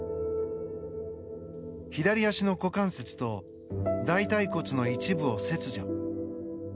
左足の股関節と大腿骨の一部を切除。